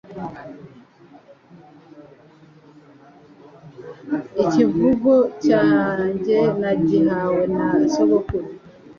IKIVUGO cyange nagihawe na sogokuru